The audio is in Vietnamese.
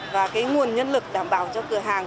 và cái nguồn nhân lực đảm bảo cho cửa hàng